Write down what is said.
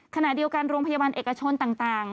ขณะเดียวกันโรงพยาบาลเอกชนต่าง